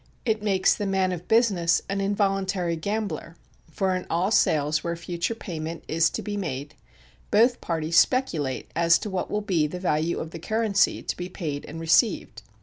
It makes the man of business an involuntary gambler, for in all sales where future payment is to be made both parties speculate as to what will be the value of the currency to be paid and received.